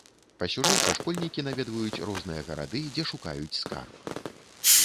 Па сюжэце школьнікі наведваюць розныя гарады, дзе шукаюць скарб.